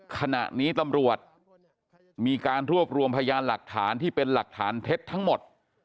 ขณะนี้ตำรวจมีการรวบรวมพยานหลักฐานที่เป็นหลักฐานเท็จทั้งหมด